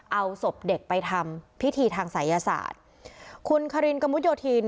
เอาศพเด็กไปทำพิธีทางศัยศาสตร์คุณคารินกระมุดโยธิน